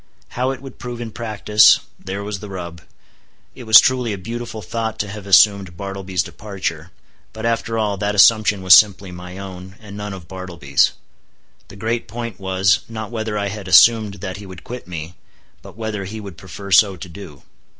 How it would prove in practice—there was the rub. It was truly a beautiful thought to have assumed Bartleby's departure; but, after all, that assumption was simply my own, and none of Bartleby's. The great point was, not whether I had assumed that he would quit me, but whether he would prefer so to do.